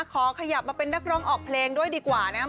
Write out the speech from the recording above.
ขอขยับมาเป็นนักร้องออกเพลงด้วยดีกว่านะครับ